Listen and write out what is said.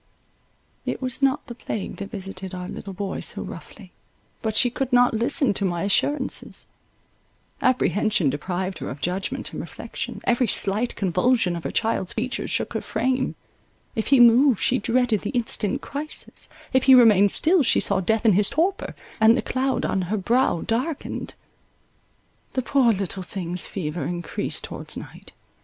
It was not the plague that visited our little boy so roughly; but she could not listen to my assurances; apprehension deprived her of judgment and reflection; every slight convulsion of her child's features shook her frame —if he moved, she dreaded the instant crisis; if he remained still, she saw death in his torpor, and the cloud on her brow darkened. The poor little thing's fever encreased towards night.